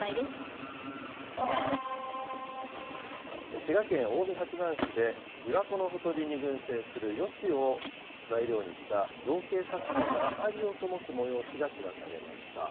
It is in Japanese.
滋賀県近江八幡市で、びわ湖のほとりに群生するヨシを材料にした造形作品に明かりをともす催しが開かれました。